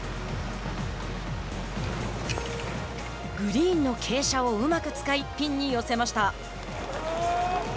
グリーンの傾斜をうまく使いピンに寄せました。